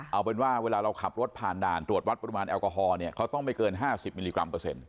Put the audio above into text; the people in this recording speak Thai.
เอาเป็นว่าเวลาเราขับรถผ่านด่านตรวจวัดปริมาณแอลกอฮอล์เนี่ยเขาต้องไม่เกิน๕๐มิลลิกรัมเปอร์เซ็น